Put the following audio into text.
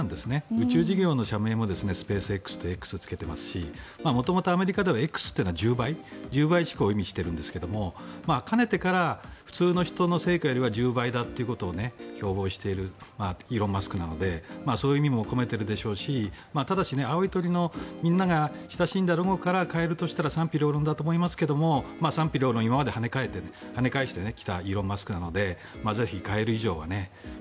宇宙事業の社名もスペースＸとＸをつけていますし元々アメリカではＸは１０倍を意味しているんですがかねてから普通の人の成果よりは１０倍だと標榜しているイーロン・マスクなのでそういう意味も込めているでしょうしただし、青い鳥の、みんなが親しんだロゴから変えるとしたら賛否両論だと思いますが賛否両論を今まで跳ね返してきたイーロン・マスク